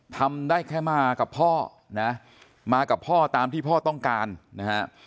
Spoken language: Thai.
ทำได้แค่มากับพ่อนะมากับพ่อตามที่พ่อต้องการนะฮะ